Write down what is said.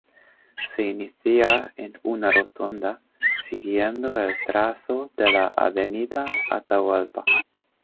Se inicia en una rotonda, siguiendo el trazo de la avenida Atahualpa.